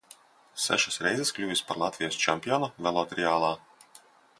Sešas reizes kļuvis par Latvijas čempionu velotriālā.